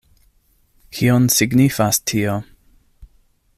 Kion signifas tio?